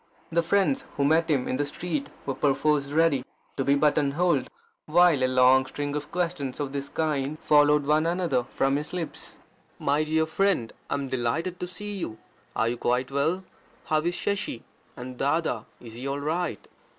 The friends who met him in the street were perforce ready to be button holed, while a long string of questions of this kind followed one another from his lips: "My dear friend, I am delighted to see you. Are quite well? How is Shashi? and Dada is he all right?